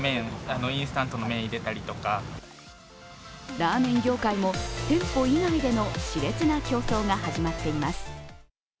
ラーメン業界も店舗以外でのしれつな競争が始まっています。